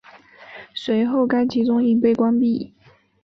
随后该集中营被关闭。